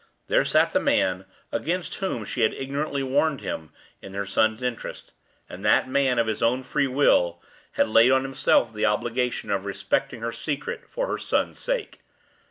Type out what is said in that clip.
There sat the man against whom she had ignorantly warned him in her son's interests; and that man, of his own free will, had laid on himself the obligation of respecting her secret for her son's sake!